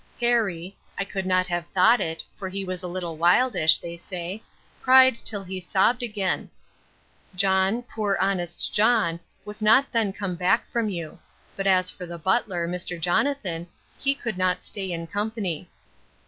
Harry (I could not have thought it; for he is a little wildish, they say) cried till he sobbed again. John, poor honest John, was not then come back from you. But as for the butler, Mr. Jonathan, he could not stay in company.